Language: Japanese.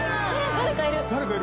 誰かいる！」